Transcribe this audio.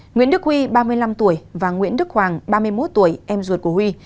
nguyễn đức huy ba mươi năm tuổi và nguyễn đức hoàng ba mươi một tuổi em ruột của huy